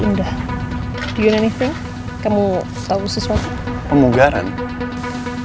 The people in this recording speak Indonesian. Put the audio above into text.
tiap jumat eksklusif di gttv